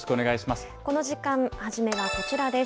この時間、初めはこちらです。